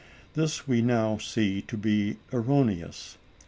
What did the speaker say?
This we now see to be erroneous.